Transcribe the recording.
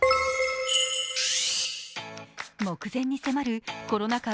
目前に迫るコロナ禍